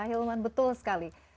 ahilman betul sekali